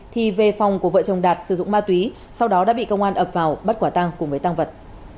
thì về phòng của vợ chồng đạt sử dụng ma túy sau đó đã bị công an ập vào bắt quả tăng cùng với tăng vật